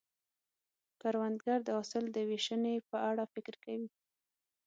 کروندګر د حاصل د ویشنې په اړه فکر کوي